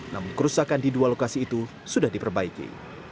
namun kerusakan di dua lokasi itu sudah diperbaiki